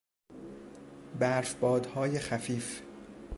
برفبادهای خفیف